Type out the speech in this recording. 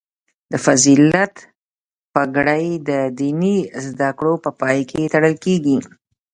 د فضیلت پګړۍ د دیني زده کړو په پای کې تړل کیږي.